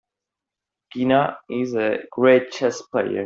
Gina is a great chess player.